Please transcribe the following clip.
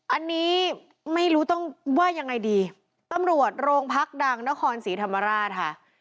อันนี้ไม่รู้ต้องว่ายังไงดีตำรวจโรงพักดังนครศรีธรรมราชค่ะ